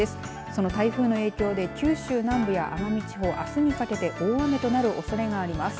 その台風の影響で九州南部や奄美地方、あすにかけて大雨となるおそれがあります。